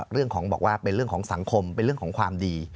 เรื่องของบอกว่าเป็นเรื่องของสังคมเป็นเรื่องของความดี